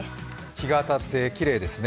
日が当たってきれいですね。